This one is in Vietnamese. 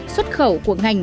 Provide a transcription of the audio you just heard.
xuất khẩu của ngành